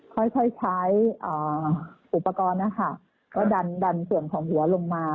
ค่อยใช้อุปกรณ์ดันเสื่อมของหัวลงมา